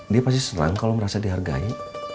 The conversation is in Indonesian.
dia pasti senang kalau merasa dihargai